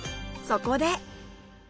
そこで